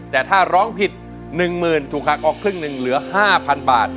แต่ถ้าร้องผิด๑๐๐๐ถูกหักออกครึ่งหนึ่งเหลือ๕๐๐๐บาท